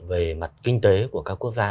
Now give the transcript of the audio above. về mặt kinh tế của các quốc gia